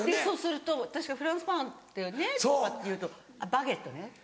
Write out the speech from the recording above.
そうすると私がフランスパンとかって言うと「バゲットね」。